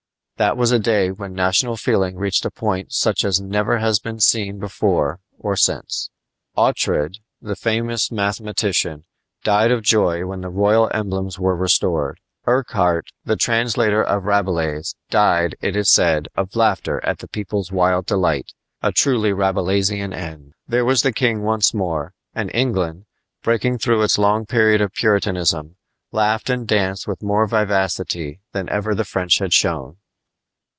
That was a day when national feeling reached a point such as never has been before or since. Oughtred, the famous mathematician, died of joy when the royal emblems were restored. Urquhart, the translator of Rabelais, died, it is said, of laughter at the people's wild delight a truly Rabelaisian end. There was the king once more; and England, breaking through its long period of Puritanism, laughed and danced with more vivacity than ever the French had shown.